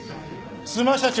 須磨社長。